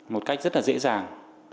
một cách rất dễ dàng